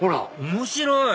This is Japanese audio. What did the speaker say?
面白い！